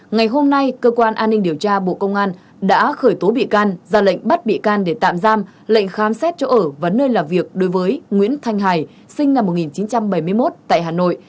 ngày hôm nay cơ quan an ninh điều tra bộ công an đã khởi tố bị can ra lệnh bắt bị can để tạm giam lệnh khám xét chỗ ở và nơi làm việc đối với nguyễn thanh hải sinh năm một nghìn chín trăm bảy mươi một tại hà nội